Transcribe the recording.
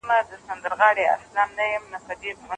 په دغي کیسې کي يو پټ حقیقت دی.